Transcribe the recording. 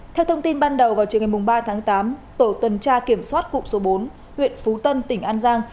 theo thông tin ban đầu vào trường ngày ba tháng tám tổ tuần tra kiểm soát cụm số bốn huyện phú tân tỉnh an giang